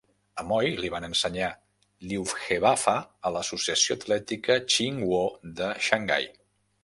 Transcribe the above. A Moy li van ensenyar Liuhebafa a l'Associació Atlètica Chin Woo de Xangai.